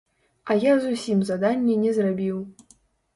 А я зусім заданне не зрабіў.